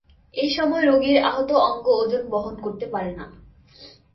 এই সময় রোগীর আহত অঙ্গ ওজন বহন করতে পারে না।